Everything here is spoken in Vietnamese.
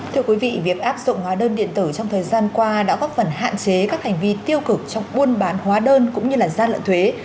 thưa quý vị việc áp dụng hóa đơn điện tử trong thời gian qua đã góp phần hạn chế các hành vi tiêu cực trong buôn bán hóa đơn cũng như là gian lận thuế